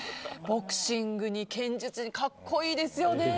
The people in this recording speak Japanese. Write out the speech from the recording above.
ボクシングに剣術に格好いいですよね。